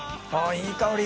いい香り。